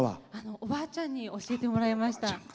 おばあちゃんに教えてもらいました。